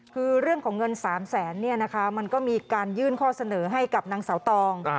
คือเรื่องของเงิน๓แสนมันก็มีการยื่นข้อเสนอให้กับนางเสาตอง